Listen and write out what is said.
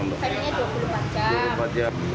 keinginannya dua puluh empat jam